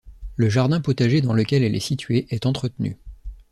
Le jardin potager dans lequel elle est située est entretenu.